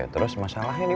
terus masalahnya di mana